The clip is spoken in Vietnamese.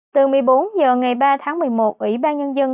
từ một mươi bốn h ngày ba tháng một mươi một ủy ban nhân dân